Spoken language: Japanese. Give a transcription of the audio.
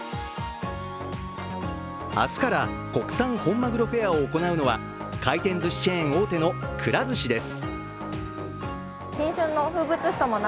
明日から国産本まぐろフェアを行うのは回転ずしチェーン大手のくら寿司です。